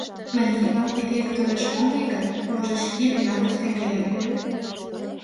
— Мариемлан эреак тореш ом лий гын, можыч, Епимат эртен каем ыле».